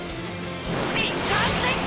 新幹線か！！